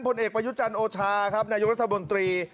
ผลเอกประยุจันทร์โอชาครับนายกรัฐมนตรี